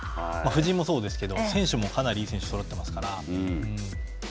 布陣もそうですが選手もかなりいい選手がそろっていますから。